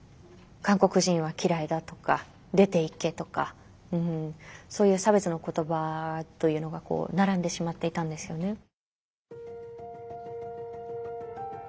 「韓国人は嫌いだ」とか「出ていけ」とかそういう差別の言葉というのが並んでしまっていたんですよね。